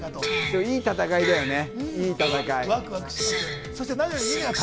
いい戦いだよね。